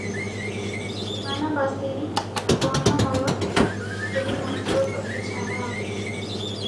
ବିମାନବାସିନୀ ଲାବଣ୍ୟମୟ ମୂର୍ତ୍ତି ସେହି ମୂର୍ତ୍ତିର ପ୍ରତିଛାୟା ଅଟେ ।